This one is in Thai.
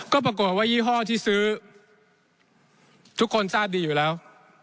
ก็ปรากฏว่ายี่ห้อที่ซื้อทุกคนทราบดีอยู่แล้ว